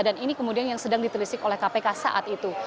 dan ini kemudian yang sedang ditelisik oleh kpk saat itu